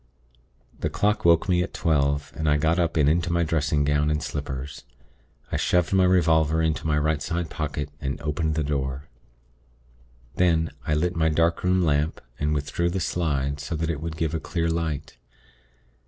"The clock woke me at twelve, and I got up and into my dressing gown and slippers. I shoved my revolver into my right side pocket, and opened my door. Then, I lit my darkroom lamp, and withdrew the slide, so that it would give a clear light.